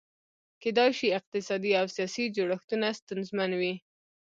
کېدای شي اقتصادي او سیاسي جوړښتونه ستونزمن وي.